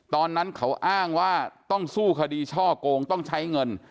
ตอนนั้นเขาอ้างว่าต้องสู้คดีช่อกงต้องใช้เงิน